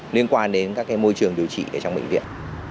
liên quan đến các môi trường điều trị ở trong bệnh viện